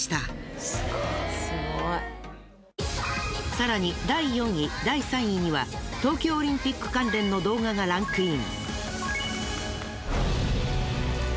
更に第４位第３位には東京オリンピック関連の動画がランクイン。